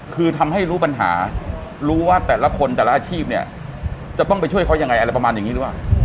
คือทำให้รู้ปัญหารู้ว่าแต่ละคนแต่ละอาชีพเนี่ยจะต้องไปช่วยเขายังไงอะไรประมาณอย่างนี้หรือเปล่า